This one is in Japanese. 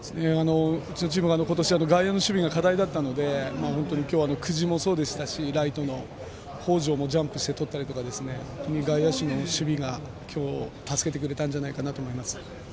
うちのチーム外野の守備が課題だったのでライトの久慈だったり北條もジャンプしてとったり外野手の守備が今日、助けてくれたんじゃないかなと思います。